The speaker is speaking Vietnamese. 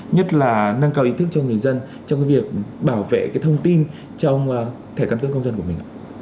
nhất là nâng cao ý thức cho người dân trong cái việc bảo vệ cái thông tin trong thẻ căn cước công dân của mình